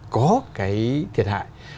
có cái thiệt hại